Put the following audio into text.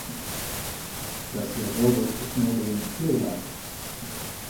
Tas ir robots, kas nogalina cilvēkus.